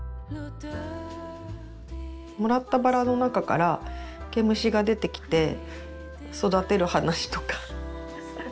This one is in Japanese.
もらったバラの中から毛虫が出てきて育てる話とか。